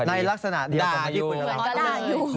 ในลักษณะเดียวคนพี่พูดเหมือนกัน